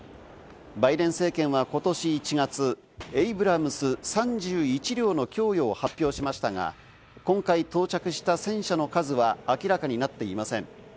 バイデン政権はことし１月、エイブラムス３１両の供与を発表しましたが、今回到着した戦車の数は明らかになっていません。